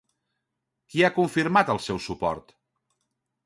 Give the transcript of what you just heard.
Qui ha confirmat el seu suport?